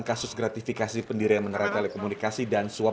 kasus gratifikasi pendirian menerai oleh komunikasi dan suap